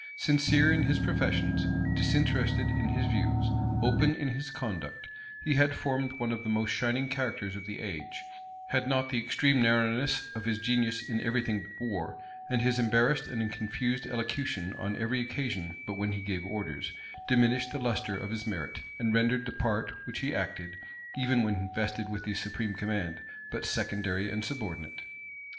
Sincere in his professions, disinterested in his views, open in his conduct, he had formed one of the most shining characters of the age, had not the extreme narrowness of his genius in every thing but in war, and his embarrassed and confused elocution on every occasion but when he gave orders, diminished the lustre of his merit, and rendered the part which he acted, even when vested with the supreme command, but secondary and subordinate.